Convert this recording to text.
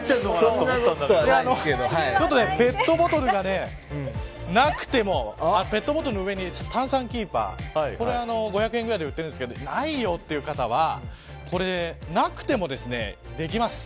ペットボトルがなくてもペットボトルの上に炭酸キーパー５００円ぐらいで売っているんですけどないよという方はなくてもできます。